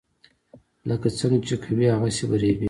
لکه څنګه چې کوې هغسې به ریبې.